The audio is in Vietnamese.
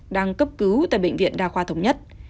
đang cấp cứu tại bệnh viện đa khoa thống nhất